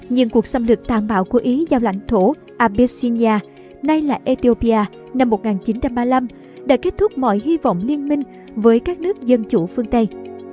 nhưng cuộc xâm lược tàn bạo của ý giao lãnh thổ abishinya nay là ethiopia năm một nghìn chín trăm ba mươi năm đã kết thúc mọi hy vọng liên minh với các nước dân chủ phương tây